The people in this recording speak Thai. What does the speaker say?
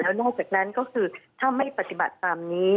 นอกจากนั้นก็คือถ้าไม่ปฏิบัติตามนี้